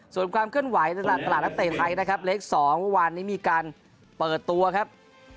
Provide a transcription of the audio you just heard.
ส่วนความเคลื่อนไหวตลาดตลาดนักเตะไทยนะครับเลข๒วันนี้มีการเปิดตัวครับ